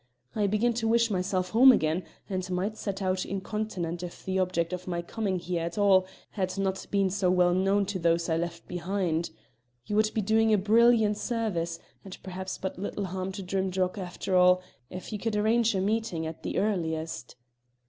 I begin to wish myself home again, and might set out incontinent if the object of my coming here at all had not been so well known to those I left behind. You would be doing a brilliant service and perhaps but little harm to Drimdarroch after all if you could arrange a meeting at the earliest."